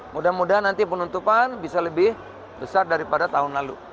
mudah mudahan nanti penutupan bisa lebih besar daripada tahun lalu